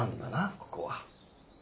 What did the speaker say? ここは。